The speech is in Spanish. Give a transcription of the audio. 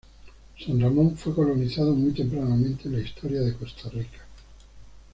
San Ramón fue colonizado muy tempranamente en la historia de Costa Rica.